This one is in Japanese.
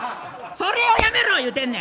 それをやめろ言うてんねん。